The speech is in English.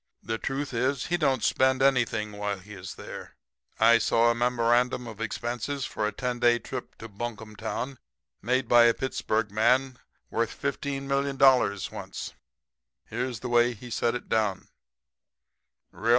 The truth is, he don't spend anything while he is there. I saw a memorandum of expenses for a ten days trip to Bunkum Town made by a Pittsburg man worth $15,000,000 once. Here's the way he set it down: R. R.